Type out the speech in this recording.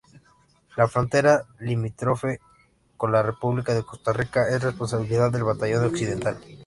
La frontera limítrofe con la República de Costa Rica es responsabilidad del Batallón Occidental.